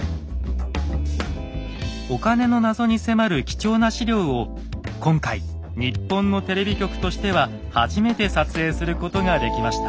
お金の謎に迫る貴重な史料を今回日本のテレビ局としては初めて撮影することができました。